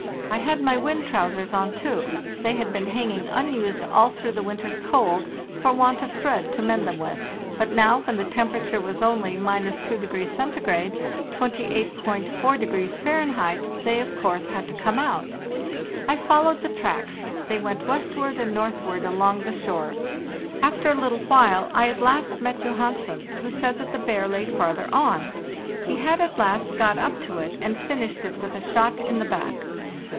I had my wind trousers on, too; they had been hanging unused all through the winter's cold, for want of thread to mend them with, but now, when the temperature was only —2°C. (28.4° Fahr.), they of course had to come out. I followed the tracks; they went westward and northward along "JOHANSEN FIRED THROUGH THE OPENING " the shore. After a little while I at last met Johansen, who said that the bear lay farther on; he had at last got up to it, and finished it with a shot in the back.